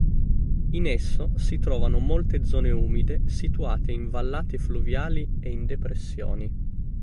In esso si trovano molte zone umide situate in vallate fluviali e in depressioni.